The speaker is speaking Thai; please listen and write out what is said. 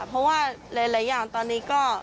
เพราะว่าหลายอย่างตอนนี้ก็